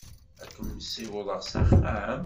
Ad kem-ssiwḍeɣ s axxam?